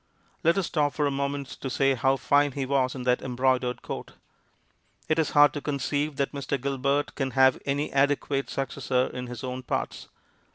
Let us stop for a moment to say how fine he was in that embroidered coat. It is hard to conceive that Mr. Gilbert can have any adequate successor in his own parts.